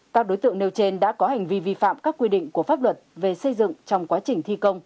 các đối tượng nêu trên đã có hành vi vi phạm các quy định của pháp luật về xây dựng trong quá trình thi công